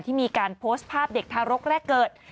ที่มีการโพสต์ภาพเด็กทารกแรกเกิด